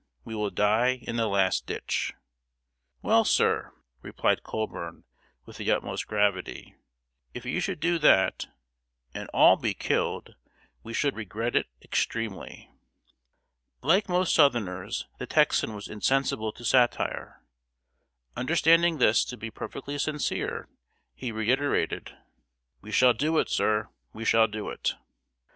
We will die in the last ditch!" "Well, sir," replied Colburn, with the utmost gravity, "if you should do that and all be killed, we should regret it extremely!" Like most Southerners, the Texan was insensible to satire. Understanding this to be perfectly sincere, he reiterated: "We shall do it, sir! We shall do it!"